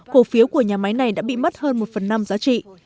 cổ phiếu của nhà máy này đã bị mất hơn một phần năm giá trị